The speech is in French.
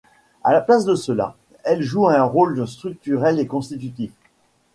À la place de cela, elles jouent un rôle structurel et constitutif.